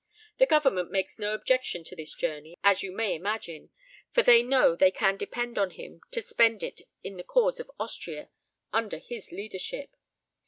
The Government makes no objection to this journey, as you may imagine, for they know they can depend on him to spend it in the cause of Austria under his leadership!